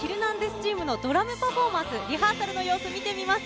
チームのドラムパフォーマンス、リハーサルの様子見てみます。